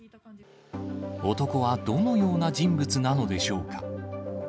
男はどのような人物なのでしょうか。